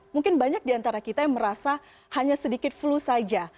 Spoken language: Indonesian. mungkin banyak diantara kita yang merasa hanya sedikit flu saja